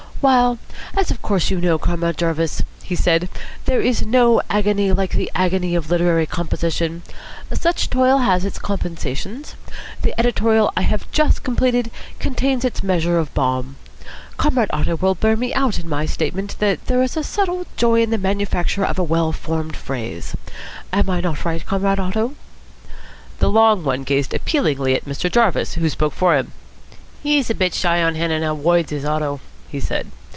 "While, as of course you know, Comrade Jarvis," he said, "there is no agony like the agony of literary composition, such toil has its compensations. The editorial I have just completed contains its measure of balm. Comrade Otto will bear me out in my statement that there is a subtle joy in the manufacture of the well formed phrase. Am I not right, Comrade Otto?" The long one gazed appealingly at Mr. Jarvis, who spoke for him. "He's a bit shy on handin' out woids, is Otto," he said.